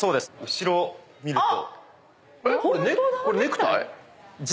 後ろを見ると。